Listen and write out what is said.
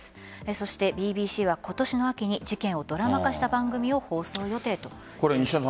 そしてＢＢＣは今年の秋に事件をドラマ化した番組を放送予定ということです。